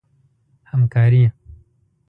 همکاري